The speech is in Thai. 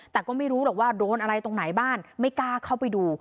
แต่ก็ไม่รู้หรอกว่าโดนอะไรตรงไหนบ้างไม่กล้าเข้าไปดู